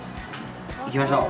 行きましょう。